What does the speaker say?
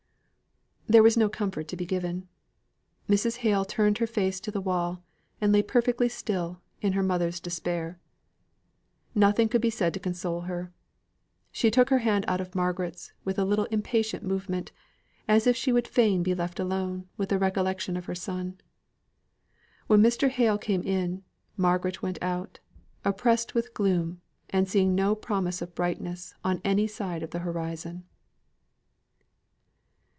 There was no comfort to be given. Mrs. Hale turned her face to the wall, and lay perfectly still in her mother's despair. Nothing could be said to console her. She took her hand out of Margaret's with a little impatient movement, as if she would fain be left alone with the recollection of her son. When Mr. Hale came in, Margaret went out, oppressed with gloom, and seeing no promise of brightness on any side of the horizon.